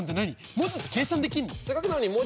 文字って計算できんの？